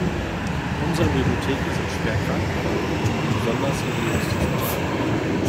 Unsere Bibliotheken sind schwer krank, besonders ihre jüngsten Exemplare.